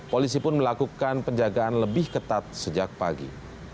polisi pun melakukan penjagaan lebih ketat sejak pagi